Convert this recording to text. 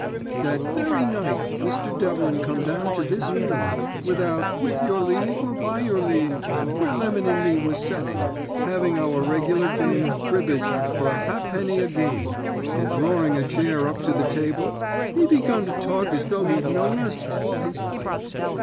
"That very night Mr. Devlin come down to this room, without 'with your leave or by your leave,' where Lemon and me was setting, having our regular game of cribbage for a ha'penny a game, and droring a chair up to the table, he begun to talk as though he'd known us all his life.